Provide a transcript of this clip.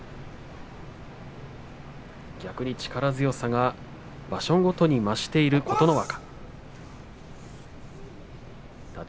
逆に力強さが場所ごとに増している琴ノ若。